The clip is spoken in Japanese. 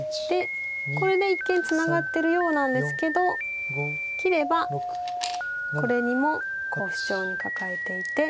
これで一見ツナがってるようなんですけど切ればこれにもシチョウにカカえていて。